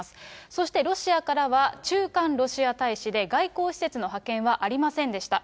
そしてロシアからは、駐韓ロシア大使で、外交使節の派遣はありませんでした。